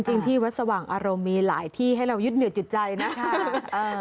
ที่วัดสว่างอารมณ์มีหลายที่ให้เรายึดเหนียวจิตใจนะคะ